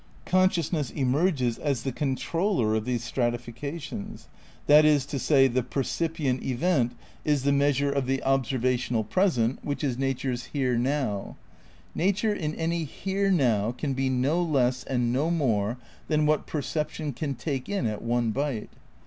Consciousness emerges as the controller of these strati fications. That is to say, the "percipient event" is the measure of the "observational present" which is na ture 's '' here now. '' Nature in any '' here now '' can be no less and no more than what perception can take in at one bite.